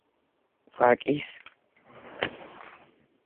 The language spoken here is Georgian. ვაკის უმეტეს ნაწილზე კულტურული ლანდშაფტია.